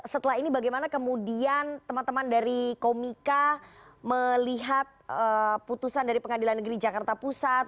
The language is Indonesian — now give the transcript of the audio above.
setelah ini bagaimana kemudian teman teman dari komika melihat putusan dari pengadilan negeri jakarta pusat